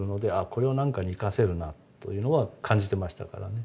これを何かに生かせるなというのは感じてましたからね。